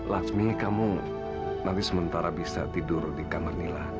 laksmi kamu nanti sementara bisa tidur di kamar nila